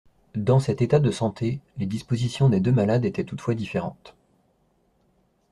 Dans cet état de santé, les dispositions des deux malades étaient toutefois différentes.